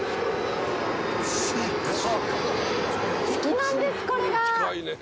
好きなんです、これが。